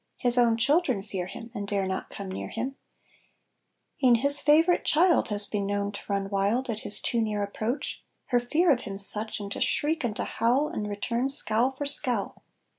His own children fear him And dare not come near him; E'en his favorite child Has been known to run wild At his too near approach, Her fear of him such, And to shriek and to howl And return scowl for scowl.